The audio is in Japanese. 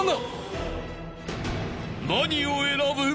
［何を選ぶ？］